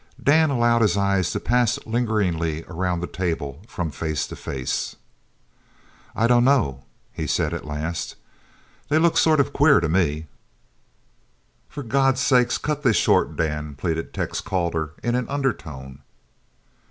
Dan allowed his eyes to pass lingeringly around the table from face to face. "I dunno," he said at last, "they look sort of queer to me." "For God's sake cut this short, Dan," pleaded Tex Calder in an undertone.